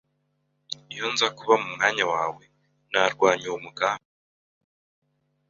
Iyo nza kuba mu mwanya wawe, narwanya uwo mugambi.